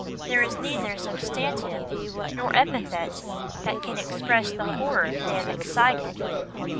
There is neither substantive nor epithet that can express the horror they have excited!